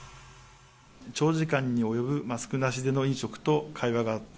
長時間に及ぶマスクなしでの飲食と会話があった。